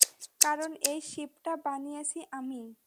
কারণ, এই শিপটা বানিয়েছি আমি!